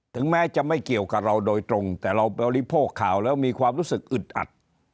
แม้จะไม่เกี่ยวกับเราโดยตรงแต่เราบริโภคข่าวแล้วมีความรู้สึกอึดอัด